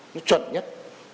nó chuẩn nhất